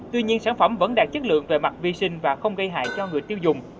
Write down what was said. tuy nhiên sản phẩm vẫn đạt chất lượng về mặt vi sinh và không gây hại cho người tiêu dùng